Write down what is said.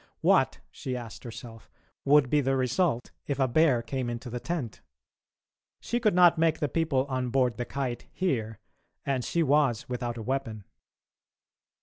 What, she asked herself, would be the result if a bear came into the tent? She could not make the people on board the Kite hear, and she was without a weapon.